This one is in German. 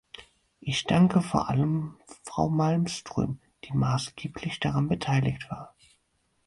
Ich danke vor allem Frau Malmström, die maßgeblich daran beteiligt war.